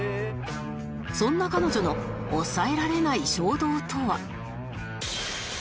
そんな彼女の抑えられない衝動とは